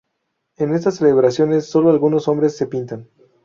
En estas celebraciones sólo algunos hombres se pintan.